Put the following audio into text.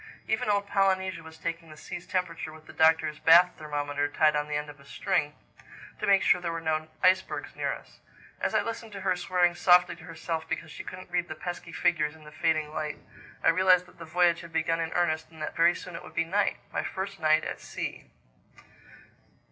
Even old Polynesia was taking the sea's temperature with the Doctor's bath thermometer tied on the end of a string, to make sure there were no icebergs near us. As I listened to her swearing softly to herself because she couldn't read the pesky figures in the fading light, I realized that the voyage had begun in earnest and that very soon it would be night—my first night at sea!